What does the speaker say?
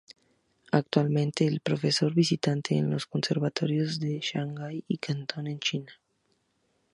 Actualmente es profesor visitante en los conservatorios de Shanghái y Cantón en China.